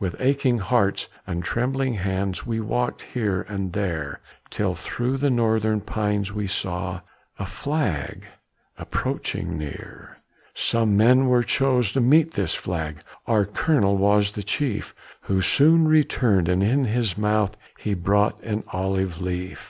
With aching hearts and trembling hands, We walkèd here and there, Till through the northern pines we saw A flag approaching near. Some men were chose to meet this flag, Our colonel was the chief, Who soon returned and in his mouth He brought an olive leaf.